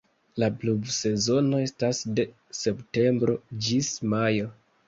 La pluvsezono estas de septembro ĝis majo.